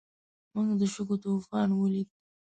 موږ د شګو طوفان ولید.